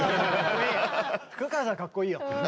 福川さんかっこいいよ。